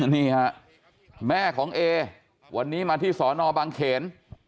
นี่ฮะแม่ของเอวันนี้มาที่สอนอบางเขน